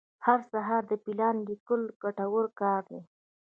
هر سهار د پلان لیکل ګټور کار دی.